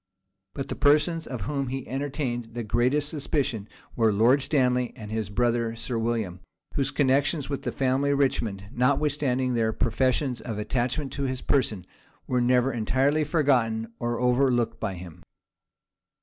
But the persons of whom he entertained the greatest suspicion, were Lord Stanley and his brother Sir William, whose connections with the family of Richmond, notwithstanding their professions of attachment to his person, were never entirely forgotten or overlooked by him.